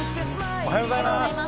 おはようございます。